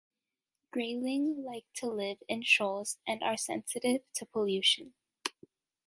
Grayling like to live in shoals and are sensitive to pollution.